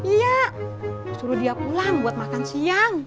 iya suruh dia pulang buat makan siang